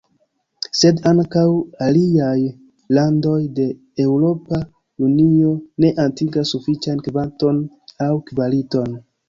Sed ankaŭ aliaj landoj de Eŭropa Unio ne atingas sufiĉan kvanton aŭ kvaliton.